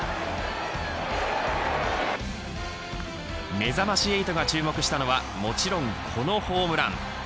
めざまし８が注目したのはもちろん、このホームラン。